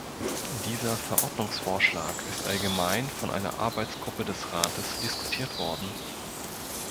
Dieser Verordnungsvorschlag ist allgemein von einer Arbeitsgruppe des Rates diskutiert worden.